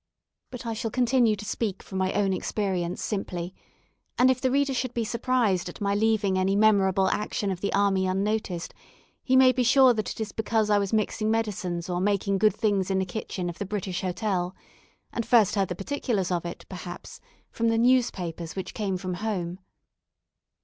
But I shall continue to speak from my own experience simply; and if the reader should be surprised at my leaving any memorable action of the army unnoticed, he may be sure that it is because I was mixing medicines or making good things in the kitchen of the British Hotel, and first heard the particulars of it, perhaps, from the newspapers which came from home.